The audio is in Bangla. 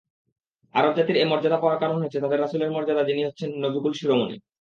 আরব জাতির এ মর্যাদা পাওয়ার কারণ হচ্ছে তাদের রাসূলের মর্যাদা যিনি হচ্ছেন নবীকুল শিরোমণি।